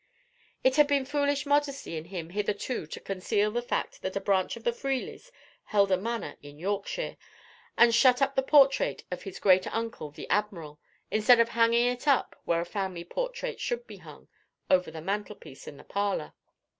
It had been foolish modesty in him hitherto to conceal the fact that a branch of the Freelys held a manor in Yorkshire, and to shut up the portrait of his great uncle the admiral, instead of hanging it up where a family portrait should be hung—over the mantelpiece in the parlour.